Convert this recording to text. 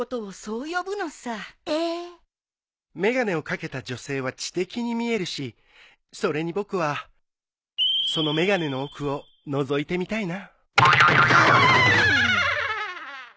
眼鏡を掛けた女性は知的に見えるしそれに僕はその眼鏡の奥をのぞいてみたいな。